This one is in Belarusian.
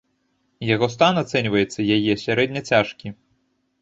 Яго стан ацэньваецца яе сярэдне цяжкі.